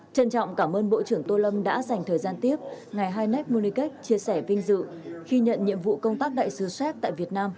trân trọng cảm ơn bộ trưởng tô lâm đã dành thời gian tiếp ngày hai munikech chia sẻ vinh dự khi nhận nhiệm vụ công tác đại sứ séc tại việt nam